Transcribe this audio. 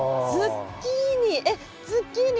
ズッキーニ。